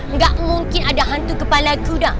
enggak mungkin ada hantu kepala kuda